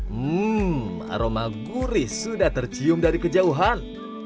hmm aroma gurih sudah tercium dari kejauhan